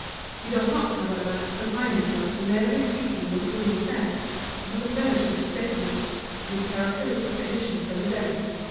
He does not, however, confine himself to merely repeating what Bruni says, hut embellishes his statements with characteristic additions of his own.